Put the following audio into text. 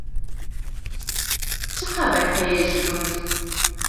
Çi xeber heye ji gund?